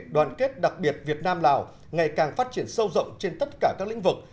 đoàn kết đặc biệt việt nam lào ngày càng phát triển sâu rộng trên tất cả các lĩnh vực